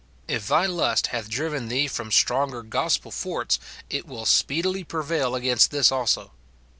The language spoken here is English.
If thy lust hath driven thee from stronger gospel forts, it will speedily prevail against this also.